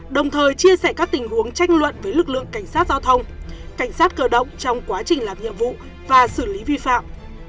đồng thời chia sẻ các tình huống tranh luận với lực lượng cảnh sát giao thông cảnh sát cơ động trong quá trình làm nhiệm vụ và xử lý vi phạm